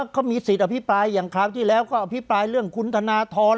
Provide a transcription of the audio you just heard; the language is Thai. เขามีสิทธิ์อภิปรายอย่างคราวที่แล้วก็อภิปรายเรื่องคุณธนทร